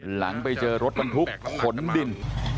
หลังไปเจอรถบรรทุกขนดิน